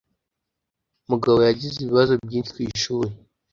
Mugabo yagize ibibazo byinshi kwishuri.